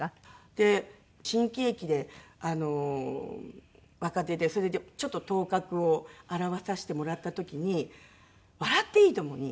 で新喜劇で若手でそれでちょっと頭角を現させてもらった時に『笑っていいとも！』に。